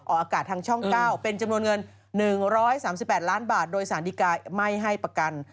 ออกอากาศทางช่อง๙เป็นจำนวนเงิน๑๓๘ล้านบาทโดยสารดีกาไม่ให้ประกัน